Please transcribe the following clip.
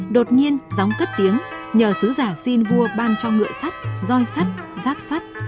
đột nhiên gióng cất tiếng nhờ sứ giả xin vua ban cho ngựa sắt roi sắt giáp sắt